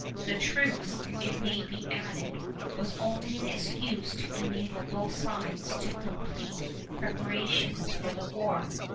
The truce, it may be added, was only an excuse to enable both sides to complete preparations for the war.